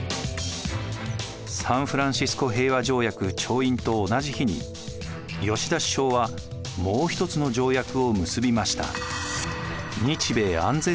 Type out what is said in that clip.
サンフランシスコ平和条約調印と同じ日に吉田首相はもう一つの条約を結びました。